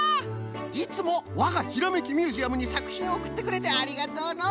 いつもわが「ひらめきミュージアム」にさくひんをおくってくれてありがとうの！